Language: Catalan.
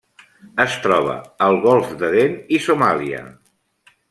Es troba al Golf d'Aden i Somàlia.